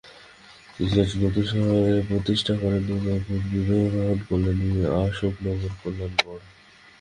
তিনি চারটি নতুন শহরের প্রতিষ্ঠা করেন: দূর্গাপুর, বিধাননগর, কল্যাণী ও অশোকনগর-কল্যাণগড়।